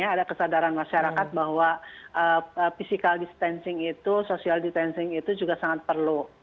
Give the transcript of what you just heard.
ada kesadaran masyarakat bahwa physical distancing itu social distancing itu juga sangat perlu